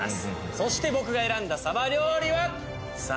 そして僕が選んだサバ料理はさあ